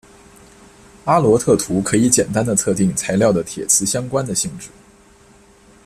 阿罗特图可以简单地测定材料的铁磁相关的性质。